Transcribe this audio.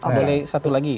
boleh satu lagi